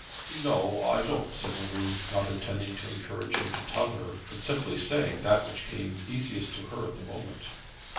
'No, I don't,' said Marie, not intending to encourage him to tell her, but simply saying that which came easiest to her at the moment.